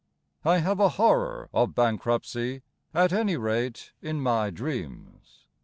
I have a horror of bankruptcy, At any rate in my dreams.